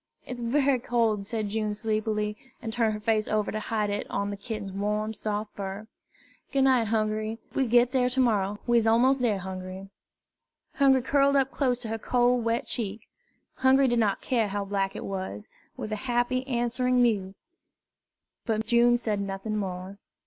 "It's bery cold," said June sleepily, and turned her face over to hide it on the kitten's warm, soft fur. "Goo' night, Hungry. We'll git dar to mor rer. We's mos' dar, Hungry." Hungry curled up close to her cold, wet cheek Hungry did not care how black it was with a happy answering mew; but June said nothing more.